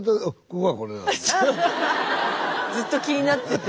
ずっと気になってて。